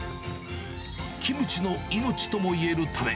キムチの命ともいえるたれ。